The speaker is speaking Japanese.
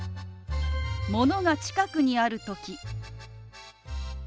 ものが近くにある時。